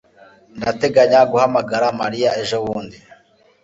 ndateganya guhamagara mariya ejobundi